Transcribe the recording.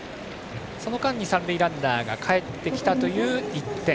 その間に三塁ランナーがかえってきたという１点。